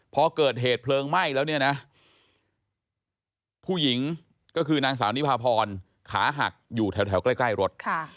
พอเกิดเหตุเพลิงไหม้แล้วเนี่ยนะผู้หญิงก็คือนางสาวนิพาพรขาหักอยู่แถวใกล้รถ